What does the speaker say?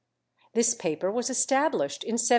This paper was established in 1792.